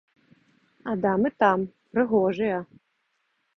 А дамы там, прыгожыя.